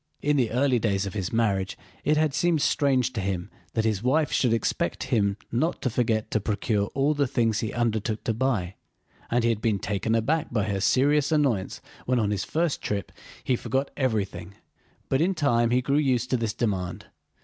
In the early days of his marriage it had seemed strange to him that his wife should expect him not to forget to procure all the things he undertook to buy, and he had been taken aback by her serious annoyance when on his first trip he forgot everything. But in time he grew used to this demand.